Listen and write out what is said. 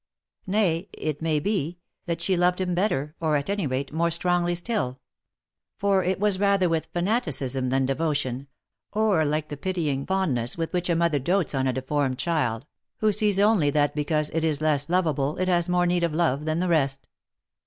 Nay, it may be, that she loved him 54 THE LIFE AND ADVENTURES better, or, at any rate, more strongly still ; for it was rather with fanaticism than devotion, or like the pitying fondness with which a mother dotes on a deformed child, who sees only that because it is less loveable it has more need of love than the rest.